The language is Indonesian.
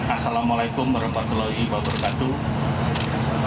assalamualaikum warahmatullahi wabarakatuh